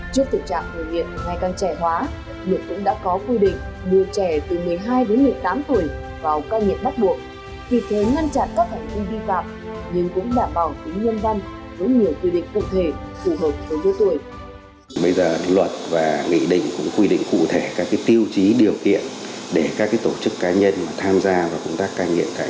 trước tình trạng người nghiện ngày càng trẻ hóa